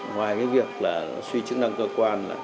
ngoài việc suy chức năng cơ quan